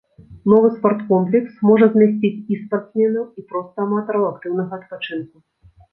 Новы спорткомплекс зможа змясціць і спартсменаў, і проста аматараў актыўнага адпачынку.